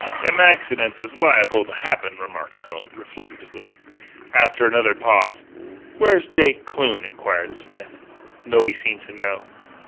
"Them accidents is liable to happen," remarked Hone, reflectively. After another pause: "Where's Jake Kloon?" inquired Smith. Nobody seemed to know.